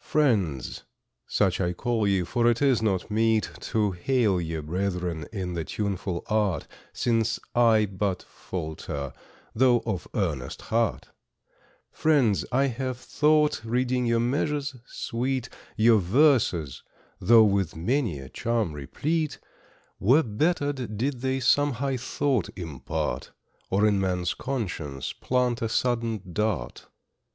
Friends, such I call ye, for it is not meet To hail ye brethren in the tuneful art, Since I but falter, though of earnest heart, Friends, I have thought, reading your measures sweet, Your verses, though with many a charm replete, Were bettered did they some high thought impart, Or in man's conscience plant a sudden dart.